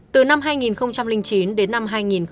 từ năm hai nghìn chín đến năm hai nghìn một mươi